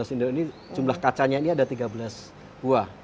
tiga belas window ini jumlah kacanya ini ada tiga belas buah